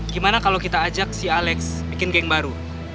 gimana kalau kita ajak si alex bikin geng baru